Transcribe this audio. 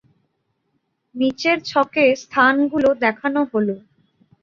নিচের ছকে স্থানগুলো দেখানো হলো।